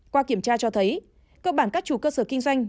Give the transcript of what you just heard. qua kiểm tra cho thấy cơ bản các chủ cơ sở kinh doanh